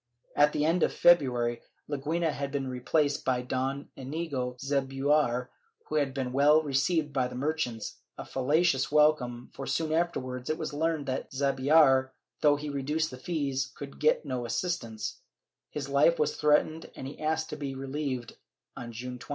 At the end of February Leguina had been replaced by Don liiigo Zubiaur who had been well received by the merchants — a fallacious welcome for soon afterwards it was learned that Zubiaur, though he reduced the fees, could get no assistance; his life was threatened and he asked to be relieved on June 20th.